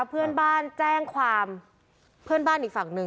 เพื่อนบ้านแจ้งความเพื่อนบ้านอีกฝั่งหนึ่ง